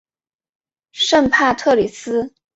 圣帕特里斯。